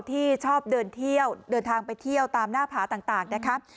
ที่ชอบเดินทางไปเที่ยวตามหน้าผาต่างนะครับ